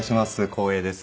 光栄です。